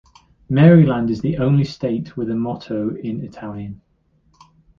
Maryland is the only state with a motto in Italian.